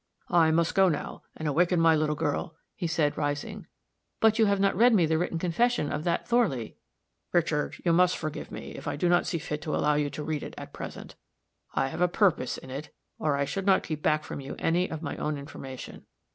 "I must go now, and awaken my little girl," he said, rising. "But you have not read me the written confession of that Thorley." "Richard, you must forgive me if I do not see fit to allow you to read it at present. I have a purpose in it, or I should not keep back from you any of my own information.